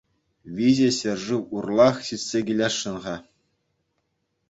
Виҫӗ ҫӗршыв урлах ҫитсе килесшӗн-ха.